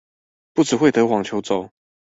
不只會得網球肘